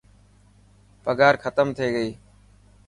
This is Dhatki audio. پگهار ختم ٿي گئي.